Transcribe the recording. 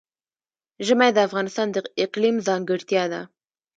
ژمی د افغانستان د اقلیم ځانګړتیا ده.